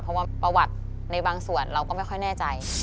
เพราะว่าประวัติในบางส่วนเราก็ไม่ค่อยแน่ใจ